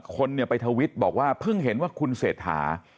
คนเนี่ยไปทวิตบอกว่าเพิ่งเห็นว่าคุณเศรษฐา